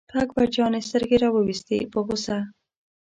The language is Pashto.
په اکبر جان یې سترګې را وویستې په غوسه.